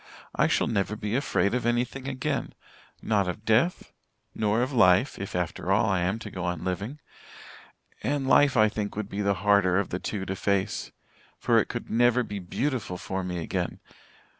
I shall never be afraid of anything again not of death nor of life, if after all, I am to go on living. And life, I think, would be the harder of the two to face for it could never be beautiful for me again.